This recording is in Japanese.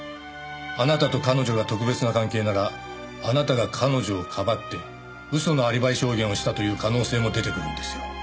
あなたと彼女が特別な関係ならあなたが彼女をかばって嘘のアリバイ証言をしたという可能性も出てくるんですよ。